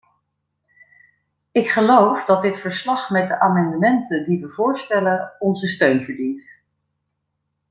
Ik geloof dat dit verslag met de amendementen die we voorstellen, onze steun verdient.